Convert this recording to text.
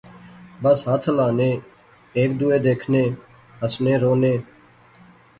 بس ہتھ ہلانے۔۔۔ہیک دوہے دیکھنے۔۔ ہنسے رونے